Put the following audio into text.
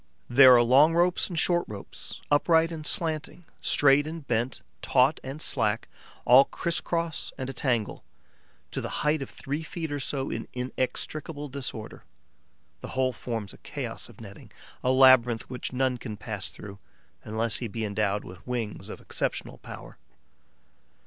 There are long ropes and short ropes, upright and slanting, straight and bent, taut and slack, all criss cross and a tangle, to the height of three feet or so in inextricable disorder. The whole forms a chaos of netting, a labyrinth which none can pass through, unless he be endowed with wings of exceptional power.